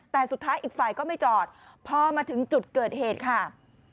แต่สุดท้ายอีกฝ่ายก็ไม่จอดพอมาถึงจุดเกิดเหตุค่ะ